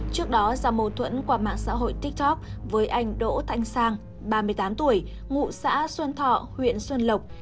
trước đó do mâu thuẫn qua mạng xã hội tiktok với anh đỗ thanh sang ba mươi tám tuổi ngụ xã xuân thọ huyện xuân lộc